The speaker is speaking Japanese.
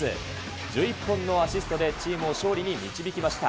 １１本のアシストでチームを勝利に導きました。